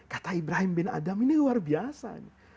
kata ibrahim bin adam ini luar biasa